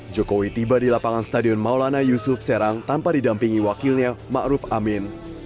jokowi tiba di lapangan stadion maulana yusuf serang tanpa didampingi wakilnya ma'ruf amin